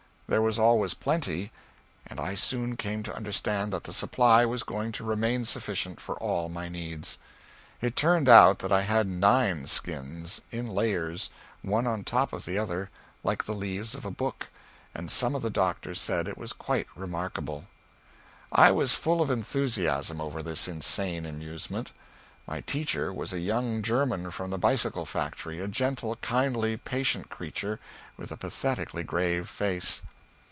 There was always plenty, and I soon came to understand that the supply was going to remain sufficient for all my needs. It turned out that I had nine skins, in layers, one on top of the other like the leaves of a book, and some of the doctors said it was quite remarkable. I was full of enthusiasm over this insane amusement. My teacher was a young German from the bicycle factory, a gentle, kindly, patient creature, with a pathetically grave face.